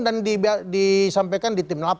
dan disampaikan di tim delapan